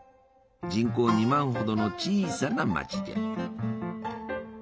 人口２万ほどの小さな町じゃ。